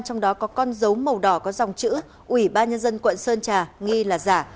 trong đó có con dấu màu đỏ có dòng chữ ủy ban nhân dân quận sơn trà nghi là giả